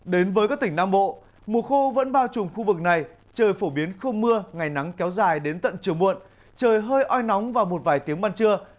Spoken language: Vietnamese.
đến với các tỉnh nam bộ mùa khô vẫn bao trùm khu vực này trời phổ biến không mưa ngày nắng kéo dài đến tận chiều muộn trời hơi oi nóng vào một vài tiếng ban trưa